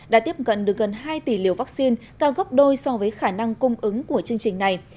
đã tiếp cận được gần hai tỷ liều vaccine cao gấp đôi so với khả năng cung ứng của chương trình này